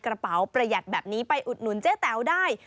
ประหยัดแบบนี้ไปอุดหนุนเจ๊แต๋วได้